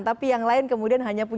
tapi yang lain kemudian hanya